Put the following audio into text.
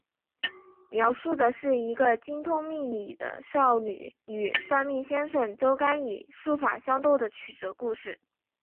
描述的是一个精通命理的少女与算命先生周干以术法相斗的曲折故事。